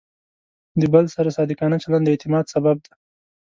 د بل سره صادقانه چلند د اعتماد سبب دی.